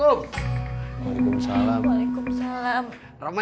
udh yanggi banget darimu sedih judulnya